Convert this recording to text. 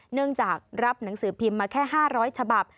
เนื่องจากรับหนังสือพิมพ์มาแค่๕๐๐ฉบับ